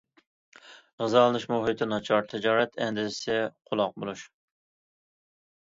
غىزالىنىش مۇھىتى ناچار، تىجارەت ئەندىزىسى قالاق بولۇش.